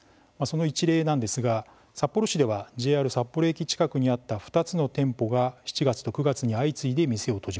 その一例なんですが、札幌市ではＪＲ札幌駅近くにあった２つの店舗が７月と９月に相次いで店を閉じました。